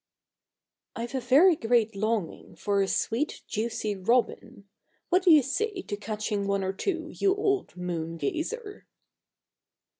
"I've a very great longing for a sweet juicy robin; what do you say to catching one or two, you old moon gazer?"